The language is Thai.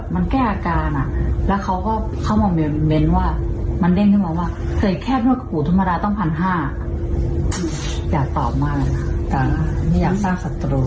มันได้นึกมาว่าเคยแค่นวดกระปูธรรมดาต้องพันห้าอยากตอบมาแล้วนะแต่ไม่อยากสร้างศัตรู